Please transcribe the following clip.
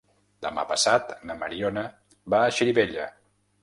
Demà passat na Mariona va a Xirivella.